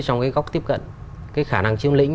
trong cái góc tiếp cận cái khả năng chiếm lĩnh